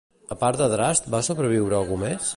A part d'Adrast va sobreviure algú més?